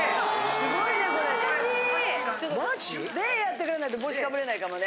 レイやってからでないと帽子かぶれないかもね。